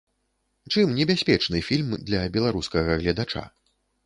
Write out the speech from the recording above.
Чым небяспечны фільм для беларускага гледача?